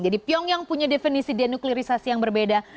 jadi pyongyang punya definisi denuklirisasi yang berbeda